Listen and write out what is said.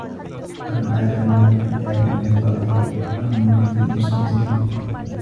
أَم آتَيناهُم كِتابًا مِن قَبلِهِ فَهُم بِهِ مُستَمسِكونَ